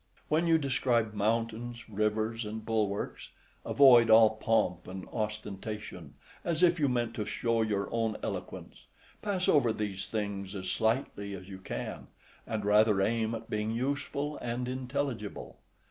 When you describe mountains, rivers, and bulwarks, avoid all pomp and ostentation, as if you meant to show your own eloquence; pass over these things as slightly as you can, and rather aim at being useful and intelligible.